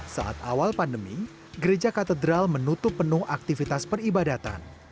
saat awal pandemi gereja katedral menutup penuh aktivitas peribadatan